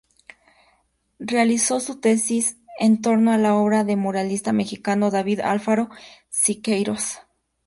Realizó su tesis en torno a la obra del muralista mexicano David Alfaro Siqueiros.